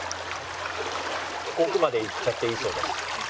奥までいっちゃっていいそうです。